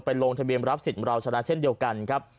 ลงทะเบียนรับสิทธิ์เราชนะเช่นเดียวกันครับ